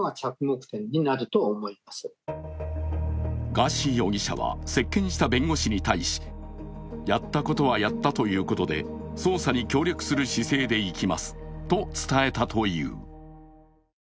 ガーシー容疑者は接見した弁護士に対し、やったことはやったということで捜査に協力する姿勢でいきますと伝えたという。